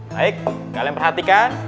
baik kalian perhatikan